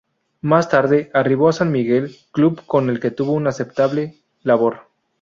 Más tarde, arribó a San Miguel, club con el que tuvo una aceptable labor.